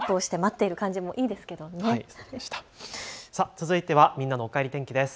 続いてはみんなのおかえり天気です。